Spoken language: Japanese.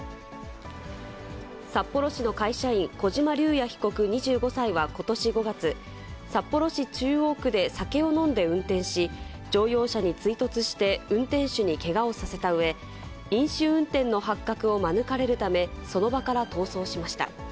札幌市の会社員、小島隆也被告２５歳はことし５月、札幌市中央区で酒を飲んで運転し、乗用車に追突して運転手にけがをさせたうえ、飲酒運転の発覚を免れるため、その場から逃走しました。